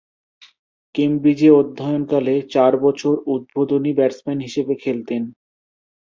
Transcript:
কেমব্রিজে অধ্যয়নকালে চার বছর উদ্বোধনী ব্যাটসম্যান হিসেবে খেলতেন।